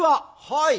「はい。